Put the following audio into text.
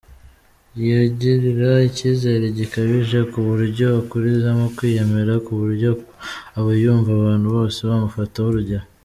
Yigirira ikizere gikabije ku buryo akurizamo kwiyemera ku buryo abayumva abantu bose bamufataho urugero .